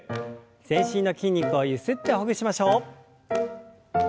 全身の筋肉をゆすってほぐしましょう。